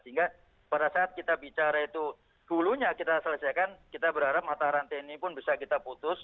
sehingga pada saat kita bicara itu dulunya kita selesaikan kita berharap mata rantai ini pun bisa kita putus